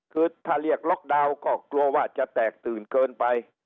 คือถ้าเรียกล็อกดาวน์ก็กลัวว่าจะแตกตื่นเกินไป